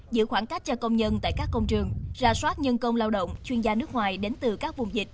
giữ khoảng cách cho công nhân tại các công trường ra soát nhân công lao động chuyên gia nước ngoài đến từ các vùng dịch